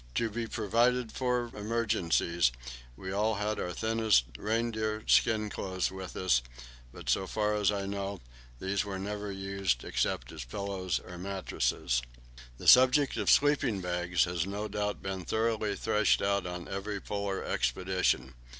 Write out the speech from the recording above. To be provided for emergencies, we all had our thinnest reindeer skin clothes with us; but, so far as I know, these were never used, except as pillows or mattresses. The subject of sleeping bags has no doubt been thoroughly threshed out on every Polar expedition.